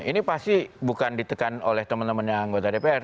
ini pasti bukan ditekan oleh teman teman yang anggota dpr